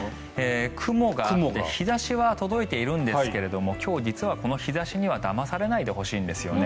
雲があって日差しは届いているんですが今日、実はこの日差しにはだまされないでほしいんですね。